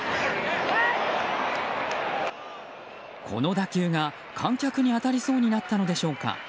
この打球が観客に当たりそうになったのでしょうか。